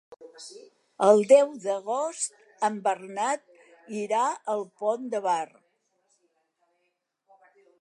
El deu d'agost en Bernat irà al Pont de Bar.